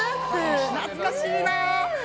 懐かしいな。